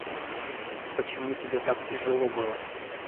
Почему тебе так тяжело было?